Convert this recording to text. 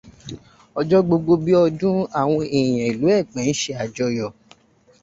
Òjò gbogbo bí ọdún, àwọn èèyàn ìlú Ẹ̀pẹ́ ń ṣe àjọyọ̀